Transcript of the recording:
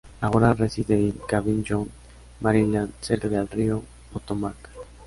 Ahora reside en Cabin John, Maryland, cerca del río Potomac.